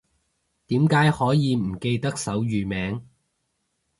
點解可以唔記得手語名